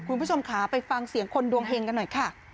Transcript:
คุณผู้ชมค่ะไปฟังเสียงคนดวงเฮงกันหน่อยค่ะ